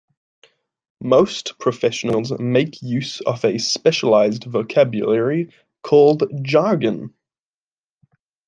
Most professionals make use of a specialised vocabulary called jargon.